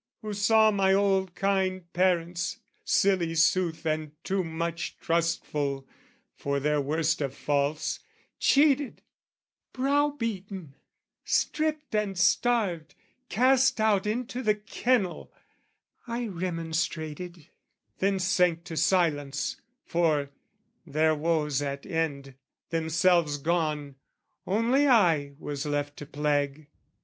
Who saw my old kind parents, silly sooth And too much trustful, for their worst of faults, Cheated, brow beaten, stripped and starved, cast out Into the kennel: I remonstrated, Then sank to silence, for, their woes at end, Themselves gone, only I was left to plague.